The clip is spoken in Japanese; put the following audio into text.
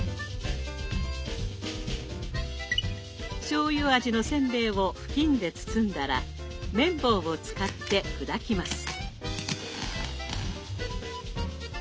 しょうゆ味のせんべいを布巾で包んだら麺棒を使って砕きます。